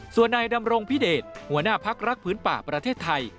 ส่วนนายดำรงพิเดชหัวหน้าพักรักพื้นป่าประเทศไทย